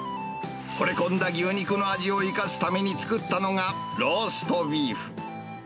ほれ込んだ牛肉の味を生かすために作ったのが、ローストビーフ。